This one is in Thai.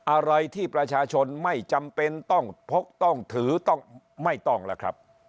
อะไรที่ประชาชนไม่จำเป็นต้องพกต้องถือต้องไม่ต้องล่ะครับ